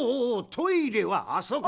トイレはあそこだ。